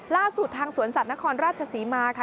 ล่าสุดทางสวนสัตว์นครราชศรีมาค่ะ